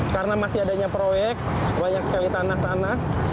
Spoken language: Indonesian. karena masih adanya proyek banyak sekali tanah tanah